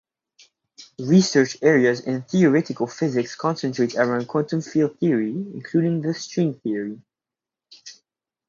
Research areas in theoretical physics concentrate around quantum field theory including the string theory.